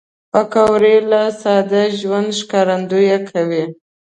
پکورې له ساده ژوند ښکارندويي کوي